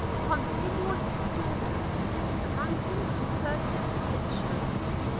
'Continual experience, amounting to perfect conviction.'